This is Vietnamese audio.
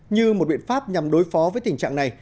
như một biện pháp nhằm đối phó với tình trạng này